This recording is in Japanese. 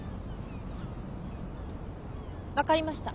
分かりました。